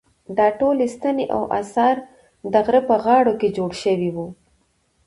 دا ټولې ستنې او اثار د غره په ګارو کې جوړ شوي وو.